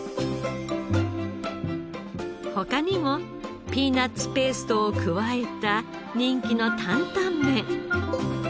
他にもピーナッツペーストを加えた人気の担々麺。